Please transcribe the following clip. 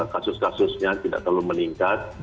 kasus kasusnya tidak terlalu meningkat